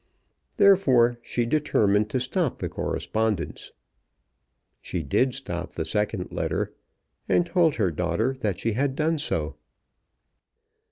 Therefore she determined to stop the correspondence. She did stop the second letter, and told her daughter that she had done so.